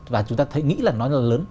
và chúng ta nghĩ là nó là lớn